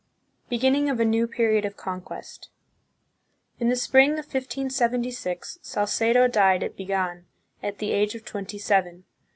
Beginning of a New Period of Conquest. In the spring of 1576, Salcedo died at Bigan, at the age of twenty seven.